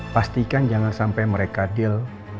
pastikan jangan sampai mereka deal